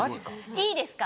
いいですか？